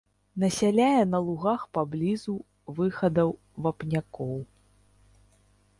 Насяляе на лугах паблізу выхадаў вапнякоў.